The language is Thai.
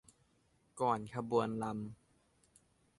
ก่อนขบวนรำ